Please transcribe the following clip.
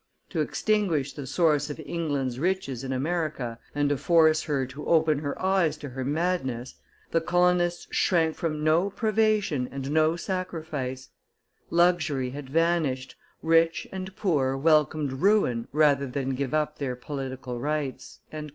To extinguish the source of England's riches in America, and to force her to open her eyes to her madness, the colonists shrank from no privation and no sacrifice: luxury had vanished, rich and poor welcomed ruin rather than give up their political rights" [M.